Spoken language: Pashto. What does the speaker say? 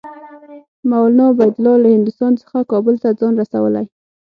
مولنا عبیدالله له هندوستان څخه کابل ته ځان رسولی.